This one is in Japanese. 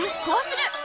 こうする！